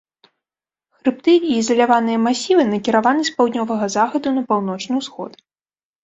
Хрыбты і ізаляваныя масівы накіраваны з паўднёвага захаду на паўночны ўсход.